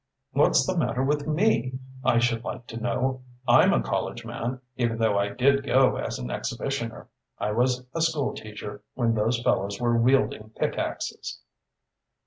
What's the matter with me, I should like to know? I'm a college man, even though I did go as an exhibitioner. I was a school teacher when those fellows were wielding pick axes."